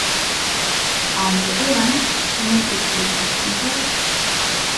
Aunque Evans no es el típico triunfador.